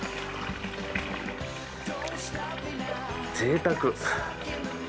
ぜいたく。